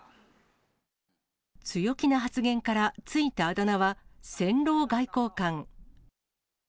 強気な発言から付いたあだ名は、戦狼外交官。